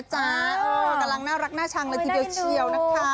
กำลังน่ารักหน้าชังและทีเดียวเชียว